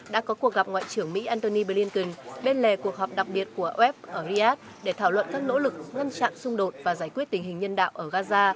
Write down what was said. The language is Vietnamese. đã có cuộc gặp ngoại trưởng mỹ antony blinken bên lề cuộc họp đặc biệt của oef ở riyadh để thảo luận các nỗ lực ngăn chặn xung đột và giải quyết tình hình nhân đạo ở gaza